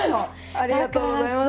ありがとうございます。